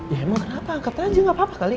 ya emang kenapa angkat aja gapapa kali